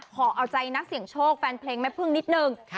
ขอเอาใจนักเสี่ยงโชคแฟนเพลงแม่พึ่งนิดนึง